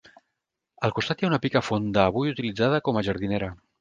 Al costat hi ha una pica fonda, avui utilitzada com a jardinera.